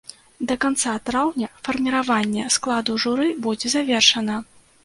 Да канца траўня фарміраванне складу журы будзе завершана.